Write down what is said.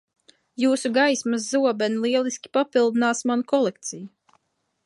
Jūsu gaismas zobeni lieliski papildinās manu kolekciju.